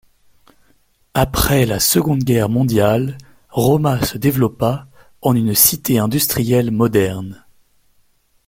Après la Seconde Guerre mondiale, Rauma se développa en une cité industrielle moderne.